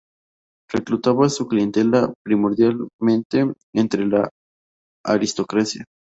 Reclutaba a su clientela primordialmente entre la aristocracia.